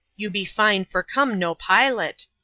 — You be fine for come no pilot.